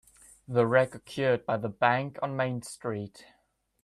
The wreck occurred by the bank on Main Street.